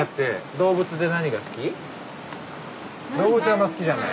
動物あんま好きじゃない？